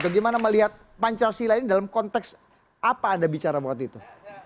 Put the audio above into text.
bagaimana melihat pancasila ini dalam konteks apa anda bicara waktu itu